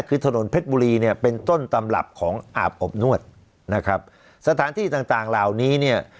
คือถนนเพชรบุรีเนี่ยเป็นต้นตำรับของอาบอบนวดนะครับสถานที่ต่างต่างเหล่านี้เนี่ย